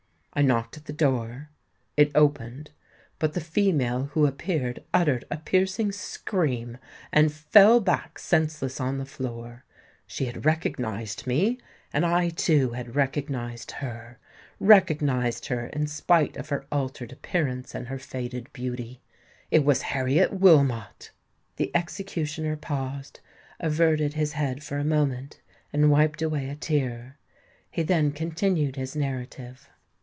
I knocked at the door; it opened—but the female who appeared uttered a piercing scream, and fell back senseless on the floor. She had recognised me; and I, too, had recognised her,—recognised her in spite of her altered appearance and her faded beauty. It was Harriet Wilmot!" The executioner paused, averted his head for a moment, and wiped away a tear. He then continued his narrative.